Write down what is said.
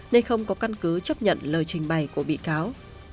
nên không có căn cứ chấp nhận lời trình bày của bị cáo